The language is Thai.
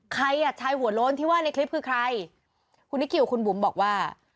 ใครอ่ะชายหัวโล้นที่ว่าในคลิปคือใครคุณนิคิวคุณบุ๋มบอกว่า